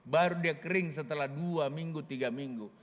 baru dia kering setelah dua minggu tiga minggu